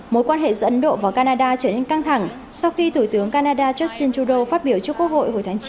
mối quan hệ giữa ấn độ và canada trở nên căng thẳng sau khi thủ tướng canada justin trudeau phát biểu trước quốc hội hồi tháng chín